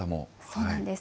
そうなんです。